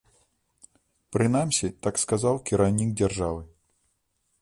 Прынамсі, так сказаў кіраўнік дзяржавы.